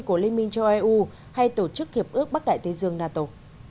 của liên minh cho eu hay tổ chức hiệp ước bắc đại tây dương nato